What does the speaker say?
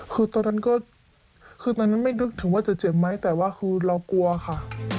คือตอนนั้นก็คือตอนนั้นไม่นึกถึงว่าจะเจ็บไหมแต่ว่าคือเรากลัวค่ะ